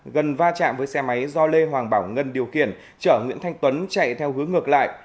gần va chạm với xe máy do lê hoàng bảo ngân điều khiển chở nguyễn thanh tuấn chạy theo hướng ngược lại